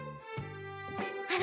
あら？